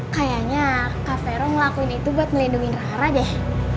kayanya kak fero ngelakuin itu buat melindungi rara deh